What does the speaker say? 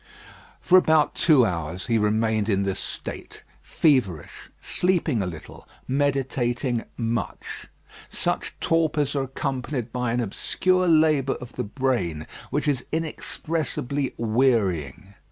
For about two hours he remained in this state, feverish, sleeping a little, meditating much. Such torpors are accompanied by an obscure labour of the brain, which is inexpressibly wearying.